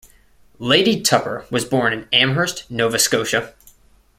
Lady Tupper was born in Amherst, Nova Scotia.